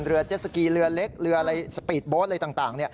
เรือเจ็ดสกีเหลือเล็กเหลือสปีดโบ๊ทอะไรต่าง